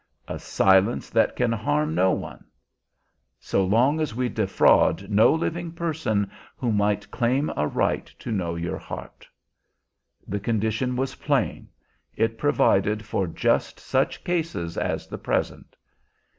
"A silence that can harm no one." "So long as we defraud no living person who might claim a right to know your heart." The condition was plain; it provided for just such cases as the present.